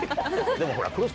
でもほら。